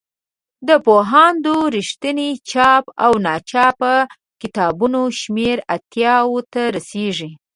د پوهاند رښتین چاپ او ناچاپ کتابونو شمېر اتیاوو ته رسیږي.